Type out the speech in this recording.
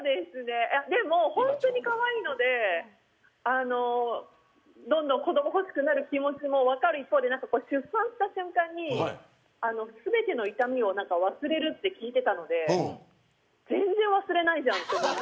本当にかわいいのでどんどん子ども欲しくなる気持ちも分かる一方で出産した瞬間に全ての痛みを忘れると聞いていたので全然忘れないじゃんって。